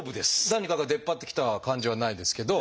何かが出っ張ってきた感じはないですけど。